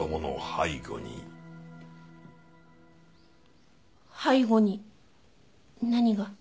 背後に何が？